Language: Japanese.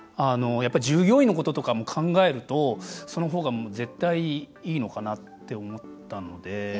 従業員のこととかも考えるとそのほうが絶対いいのかなって思ったので。